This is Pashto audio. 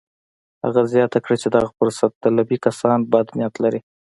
هغه زياته کړه چې دغه فرصت طلبي کسان بد نيت لري.